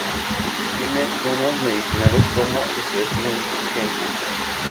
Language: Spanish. Tiene usos medicinales como astringente.